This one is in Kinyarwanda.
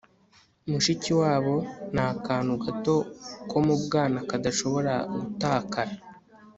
mushikiwabo ni akantu gato ko mu bwana kadashobora gutakara